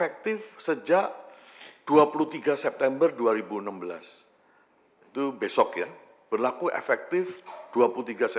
akan menanggung pertumbuhan di sini dengan kebijakan yang telah diperlukan oleh bank indonesia